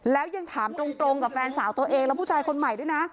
แล้วยังถามตรงกับแฟนสาวตัวเองแล้วผู้ชายคนใหม่ด้วยนะ